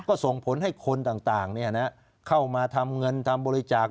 ก็ส่งผลให้คนต่างเข้ามาทำเงินทำบริจาค